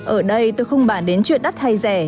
ở đây tôi không bàn đến chuyện đắt hay rẻ